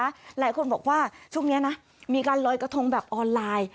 หลายคนบอกว่าช่วงนี้นะมีการลอยกระทงแบบออนไลน์